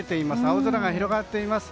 青空が広がっています。